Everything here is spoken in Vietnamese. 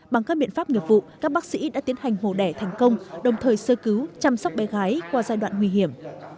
bằng các biện pháp nghiệp vụ các bác sĩ đã tiến hành mổ đẻ thành công đồng thời sơ cứu chăm sóc bé gái qua giai đoạn nguy hiểm